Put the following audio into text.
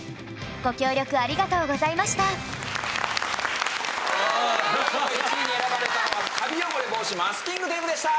ご協力ありがとうございましたという事で１位に選ばれたのはカビ汚れ防止マスキングテープでした！